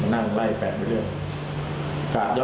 มันนั่งไล่แปะไปเรื่อย